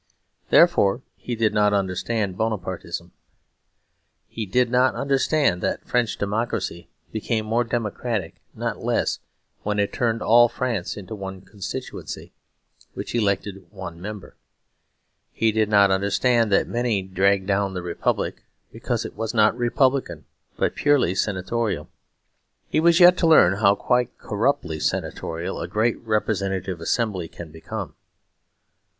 Therefore he did not understand Bonapartism. He did not understand that French democracy became more democratic, not less, when it turned all France into one constituency which elected one member. He did not understand that many dragged down the Republic because it was not republican, but purely senatorial. He was yet to learn how quite corruptly senatorial a great representative assembly can become.